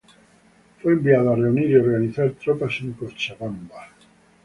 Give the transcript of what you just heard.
Fue enviado a reunir y organizar tropas en Cochabamba.